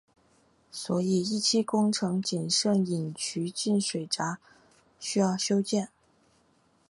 所以一期工程仅剩引渠进水闸需要修建。